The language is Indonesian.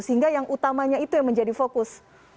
sehingga yang utamanya itu yang menjadi fokus